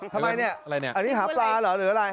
ทำไมเนี้ยอะไรเนี้ยอันนี้หาปลาเหรอหรืออะไร